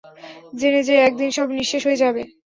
জেনে যে একদিন সব নিঃশেষ হয়ে যাবে।